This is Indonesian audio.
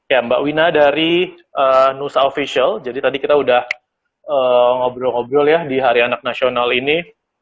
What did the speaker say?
ya mbak wina dari nusa official jadi tadi kita udah ngobrol ngobrol ya di hari anak nasional ini